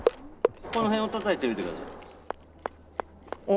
この辺をたたいてみてください。